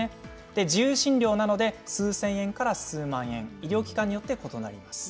自由診療なので数千円から数万円医療機関によって異なります。